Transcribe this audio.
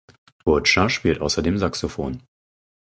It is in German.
Burtscher spielt außerdem Saxophon.